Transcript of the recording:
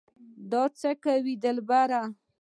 دا څه کوې دلبره